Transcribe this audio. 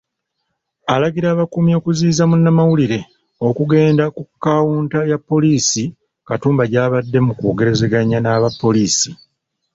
Alagira abakuumi okuziyiza munnamawulire okugenda ku kawunta ya poliisi Katumba gy'abadde mu kwogerezeganya n'abapoliisi.